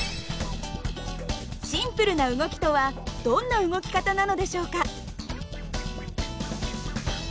シンプルな動きとはどんな動き方なのでしょうか。